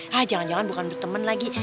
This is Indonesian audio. hah jangan jangan bukan berteman lagi